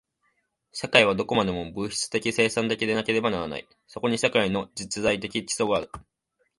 社会はどこまでも物質的生産的でなければならない。そこに社会の実在的基礎がある。